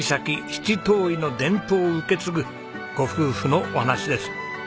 七島藺の伝統を受け継ぐご夫婦のお話です。